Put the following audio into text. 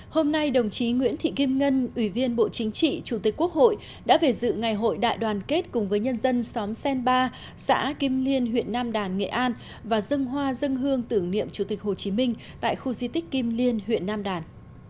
hôm nay đồng chí nguyễn thị kim ngân ủy viên bộ chính trị chủ tịch quốc hội đã về dự ngày hội đại đoàn kết cùng với nhân dân xóm sen ba xã kim liên huyện nam đàn nghệ an và dân hoa dân hương tưởng niệm chủ tịch hồ chí minh tại khu di tích kim liên huyện nam đàn